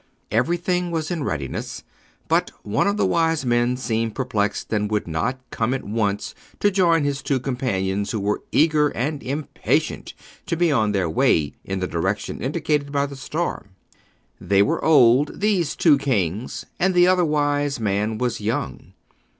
Everything was in readiness, but one of the wise men seemed perplexed and would not come at once to join his two companions who were eager and impatient to be on their way in the direction indicated by the star. They were old, these two kings, and the other wise man was young.